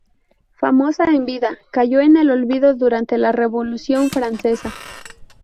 Famosa en vida, cayó en el olvido durante la Revolución Francesa.